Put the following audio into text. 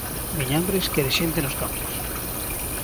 Miñambres quere xente nos campos.